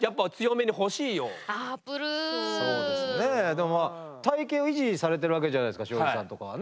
でも体型を維持されてるわけじゃないですか庄司さんとかはね。